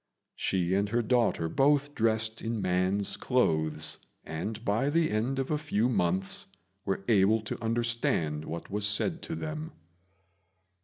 She and her daughter both dressed in man's clothes, and by the end of a few months were able to understand what was said to them.